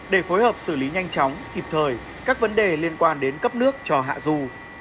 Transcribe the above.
để phối hợp xử lý nhanh chóng kịp thời các vấn đề liên quan đến cấp nước cho hạ du